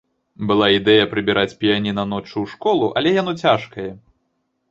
Была ідэя прыбіраць піяніна ноччу ў школу, але яно цяжкае.